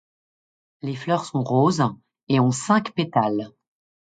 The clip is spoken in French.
Les fleurs sont roses et ont cinq pétales.